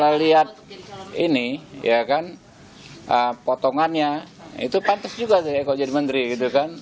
kalau lihat ini ya kan potongannya itu pantas juga saya kalau jadi menteri gitu kan